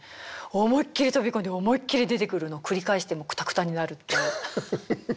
思いっきり飛び込んで思いっきり出てくるのを繰り返してもうクタクタになるっていう。